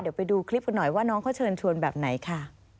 เดี๋ยวไปดูคลิปกันหน่อยว่าน้องเขาเชิญชวนแบบไหนค่ะ